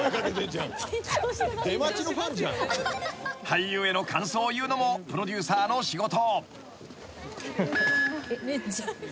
［俳優への感想を言うのもプロデューサーの仕事］